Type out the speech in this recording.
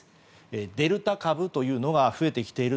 デルタ株というのが増えてきている。